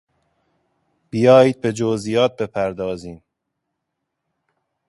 بیایید به جزئیات بپردازیم!